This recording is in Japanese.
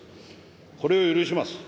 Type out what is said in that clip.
これを許します。